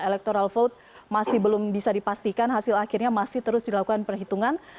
electoral vote masih belum bisa dipastikan hasil akhirnya masih terus dilakukan perhitungan